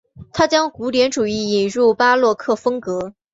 他将古典主义引入巴洛克风格。